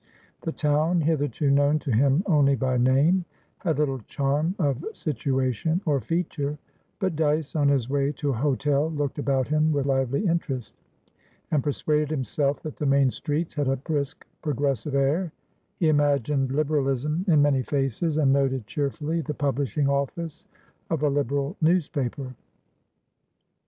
The town, hitherto known to him only by name, had little charm of situation or feature, but Dyce, on his way to a hotel, looked about him with lively interest, and persuaded himself that the main streets had a brisk progressive air; he imagined Liberalism in many faces, and noted cheerfully the publishing office of a Liberal newspaper.